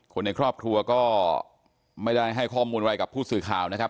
คนในครอบครัวก็ไม่ได้ให้ข้อมูลอะไรกับผู้สื่อข่าวนะครับ